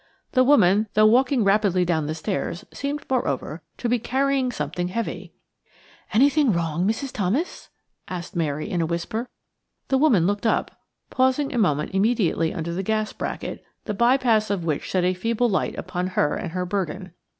The woman, though walking rapidly down the stairs, seemed, moreover, to be carrying something heavy. "Anything wrong, Mrs. Thomas?" asked Mary, in a whisper. The woman looked up, pausing a moment immediately under the gas bracket, the by pass of which shed a feeble light upon her and upon her burden.